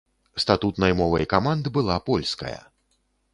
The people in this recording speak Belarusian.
Статутнай мовай каманд была польская.